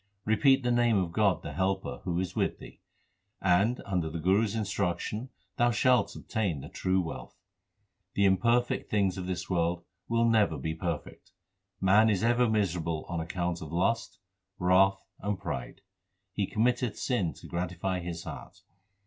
Repeat the name of God the Helper who is with thee, and under the Guru s instruction thou shalt obtain the true wealth. The imperfect things of this world will never be perfect. Man is ever miserable on account of lust, wrath, and pride. He committeth sin to gratify his heart.